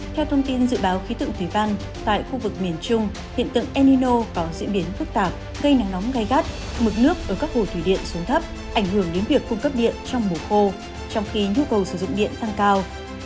theo thông tin dự báo khí tượng thủy văn tại khu vực miền trung hiện tượng enino có diễn biến phức tạp gây nắng nóng gai gắt mực nước ở các hồ thủy điện xuống thấp ảnh hưởng đến việc cung cấp điện trong mùa khô trong khi nhu cầu sử dụng điện tăng cao